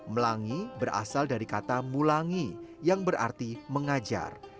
melangi berasal dari kata mulangi yang berarti mengajar